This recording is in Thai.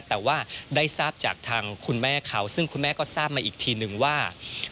แต่ว่าได้ทราบจากทางคุณแม่เขาซึ่งคุณแม่ก็ทราบมาอีกทีนึงว่า